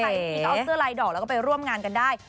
บางทีก็เอาเสื้อลายดอกแล้วก็ไปร่วมงานกันได้